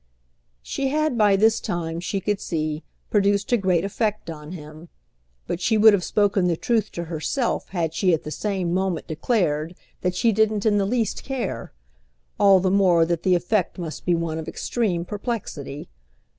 She had by this time, she could see, produced a great effect on him; but she would have spoken the truth to herself had she at the same moment declared that she didn't in the least care: all the more that the effect must be one of extreme perplexity.